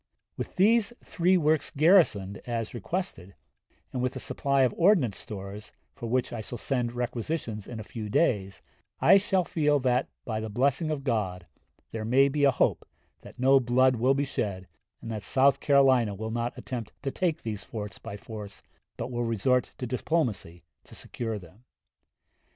With these three works garrisoned as requested, and with a supply of ordnance stores, for which I shall send requisitions in a few days, I shall feel that, by the blessing of God, there may be a hope that no blood will be shed, and that South Carolina will not attempt to take these forts by force, but will resort to diplomacy to secure them.